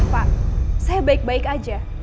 pak saya baik baik aja